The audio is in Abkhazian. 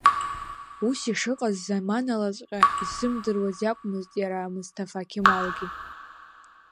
Ус ишыҟаз заманалаҵәҟьа иззымдыруаз иакәмызт иара Мысҭафа Қемалгьы.